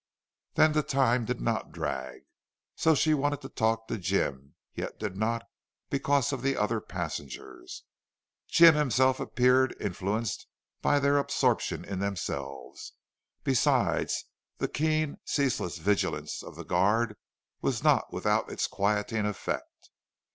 Then the time did not drag so. She wanted to talk to Jim, yet did not, because of the other passengers. Jim himself appeared influenced by their absorption in themselves. Besides, the keen, ceaseless vigilance of the guard was not without its quieting effect.